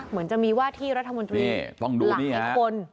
เหมือนจะมีว่าที่รัฐมนตรีหลักแก่คนนี่ต้องดูนี่ครับ